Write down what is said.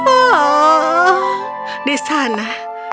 oh di sana